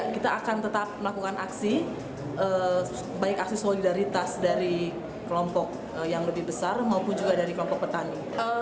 kita akan tetap melakukan aksi baik aksi solidaritas dari kelompok yang lebih besar maupun juga dari kelompok petani